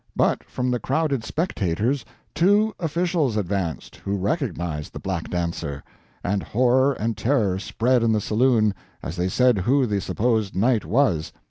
But from the crowded spectators, 2 officials advanced, who recognized the black dancer, and horror and terror spread in the saloon, as they said who the supposed knight was.